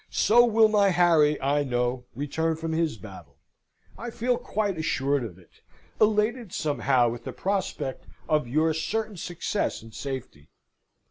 So will my Harry, I know, return from his battle. I feel quite assured of it; elated somehow with the prospect of your certain success and safety.